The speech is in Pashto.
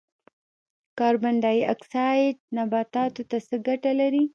کاربن ډای اکسایډ نباتاتو ته څه ګټه لري؟